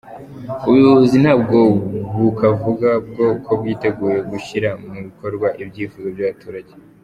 Ubuyobozi nabwo bukavuga ko bwiteguye gushyira mu bikorwa ibyifuzo by’abaturage.